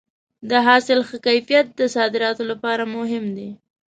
د حاصل ښه کیفیت د صادراتو لپاره مهم دی.